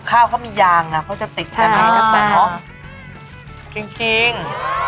ข้าวเขามียางนะเขาจะติดกันเนอะจริงจริง